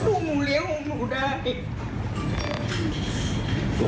ลูกหนูเลี้ยงของหนูได้